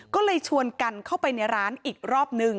ก็เลยชวนกันเข้าไปในร้านอีกรอบนึง